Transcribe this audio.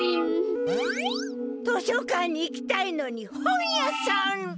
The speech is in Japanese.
図書館に行きたいのに本屋さん！